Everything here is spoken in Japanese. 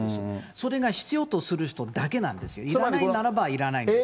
それが必要とする人だけなんですよ、いらないならばいらないんです。